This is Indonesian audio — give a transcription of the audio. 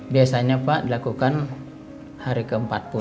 biasanya pak dilakukan hari ke empat puluh